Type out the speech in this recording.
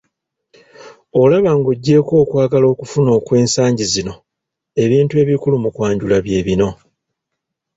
Olabye ba Ng’oggyeeko okwagala okufuna okw’ensangi zino , ebintu ebikulu mu kwanjula bye bino;